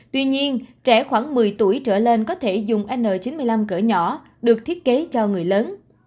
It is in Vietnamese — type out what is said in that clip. tuy nhiên trẻ khoảng một mươi tuổi trở lên có thể dùng n chín mươi năm cỡ nhỏ được thiết kế cho người lớn